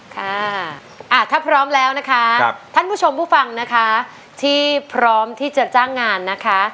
ค่ะถ้าพร้อมแล้วนะคะท่านผู้ชมผู้ฟังนะคะที่พร้อมที่จะจ้างงานนะคะ